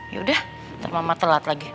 yaudah ntar mama telat lagi